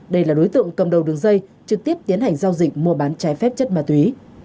đây là đối tượng cầm đầu đường dây trực tiếp tiến hành giao dịch mua bán trái phép chất ma túy